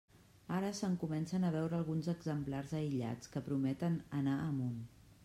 Ara se'n comencen a veure alguns exemplars aïllats que prometen anar amunt.